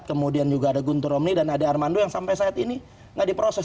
kemudian juga ada guntur romli dan ade armando yang sampai saat ini nggak diproses